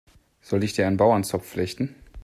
Soll ich dir einen Bauernzopf flechten?